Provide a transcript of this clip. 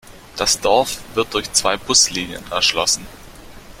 Das Dorf wird durch zwei Buslinien erschlossen.